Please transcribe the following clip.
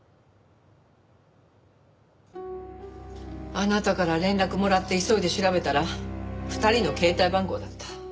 あなたから連絡もらって急いで調べたら２人の携帯番号だった。